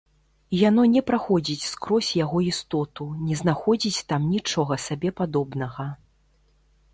Яно не праходзіць скрозь яго істоту, не знаходзіць там нічога сабе падобнага.